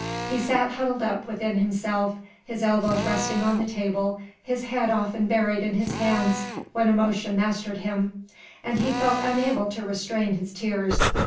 He sat huddled up within himself, his elbows resting on the table, his head often buried in his hands when emotion mastered him, and he felt unable to restrain his tears.